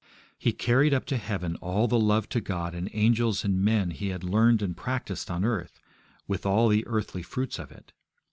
He carried up to heaven all the love to God and angels and men He had learned and practised on earth, with all the earthly fruits of it.